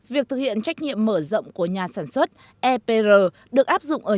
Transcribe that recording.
việc thực hiện trách nhiệm mở rộng của nhà sản xuất epr được áp dụng ở nhiều nơi